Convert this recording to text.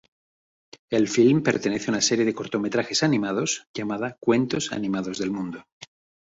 El filme pertenece a una serie de cortometrajes animados llamada Cuentos Animados del Mundo.